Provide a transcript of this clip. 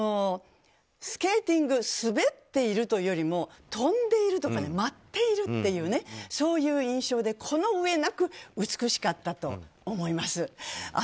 スケーティング滑っているというよりも飛んでいるとか舞っているっていう印象でこの上なく美しかったと思います。